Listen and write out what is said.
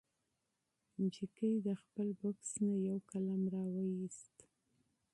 نجلۍ د خپل بکس نه یو قلم راوویست.